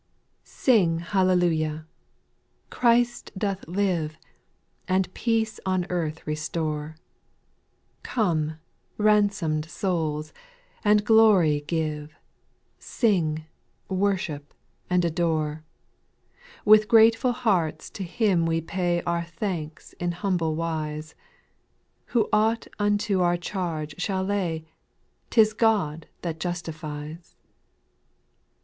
QING Hallelujah ! Christ doth live, O And peace on earth restore ; Come, ransom'd souls, and glory give, Sing, worship, and adore. With grateful hearts to Him we pay Our thanks in humble wise ; Who aught unto our charge shall lay ? 'T is God that justifies.